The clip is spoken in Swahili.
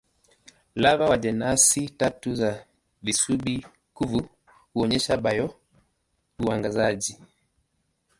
Lava wa jenasi tatu za visubi-kuvu huonyesha bio-uangazaji.